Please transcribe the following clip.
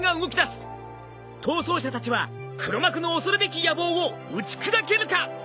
逃走者たちは黒幕の恐るべき野望を打ち砕けるか！？